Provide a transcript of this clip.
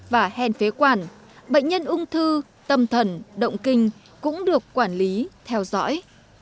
và hèn phế quản bệnh nhân ung thư tâm thần động kinh cũng được quản lý theo dõi